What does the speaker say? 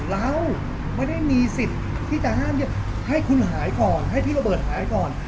เราไม่ได้มีสิทธิ์ที่จะห้ามให้คุณหายก่อนให้พี่ระเบิดหายก่อน